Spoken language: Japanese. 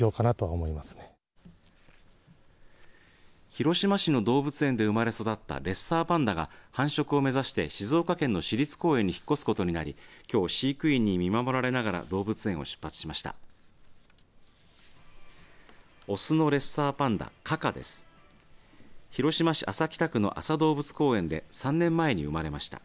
広島市の動物園で生まれ育ったレッサーパンダが繁殖を目指して静岡県の市立公園に引っ越すことになりきょう、飼育員に見守られながら動物園を出発しました。